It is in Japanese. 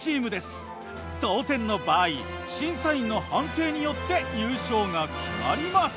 同点の場合審査員の判定によって優勝が決まります。